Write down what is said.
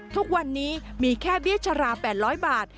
ทุกวันนี้มีแค่เบี้ยชรา๘๐๐บาท